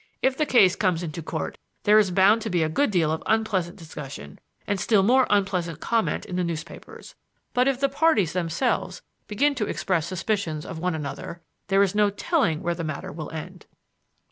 If the case comes into Court, there is bound to be a good deal of unpleasant discussion and still more unpleasant comment in the newspapers. But if the parties themselves begin to express suspicions of one another there is no telling where the matter will end."